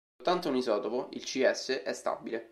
Soltanto un isotopo, il Cs, è stabile.